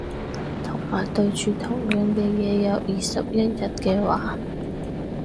同埋對住同樣嘅嘢有二十一日嘅話